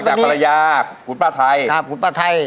นอกจากภรรยาขุดป้าไทย